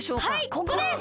ここです。